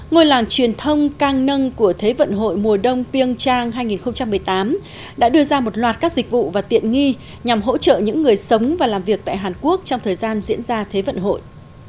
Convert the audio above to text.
ngôi làng truyền thông càng nâng của thế vận hội mùa đông piêng trang hai nghìn một mươi tám đã đưa ra một loạt các dịch vụ và tiện nghi nhằm hỗ trợ những người sống và làm việc tại hàn quốc trong thời gian diễn ra thế vận hội